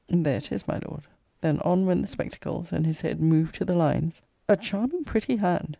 There it is, my Lord. Then on went the spectacles, and his head moved to the lines a charming pretty hand!